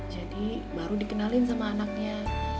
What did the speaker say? jadi baru dikenalin sama anaknya